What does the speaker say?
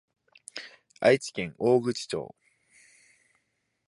愛知県大口町